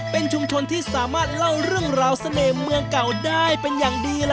เป็นชุมชนที่สามารถเล่าเรื่องราวเสน่ห์เมืองเก่าได้เป็นอย่างดี